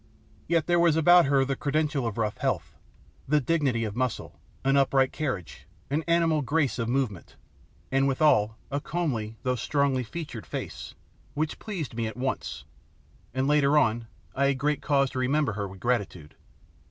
Yet there was about her the credential of rough health, the dignity of muscle, an upright carriage, an animal grace of movement, and withal a comely though strongly featured face, which pleased me at once, and later on I had great cause to remember her with gratitude.